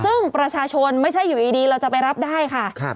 ซึ่งประชาชนไม่ใช่อยู่ดีเราจะไปรับได้ค่ะ